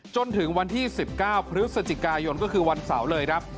จนถึงวันที่๑๙พฤศจิกายนก็คือวันเสาร์เลยครับ